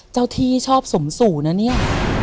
เจ้าที่ชอบสมสู่นะเนี่ย